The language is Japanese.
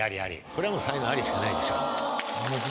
これはもう才能アリしかないでしょ。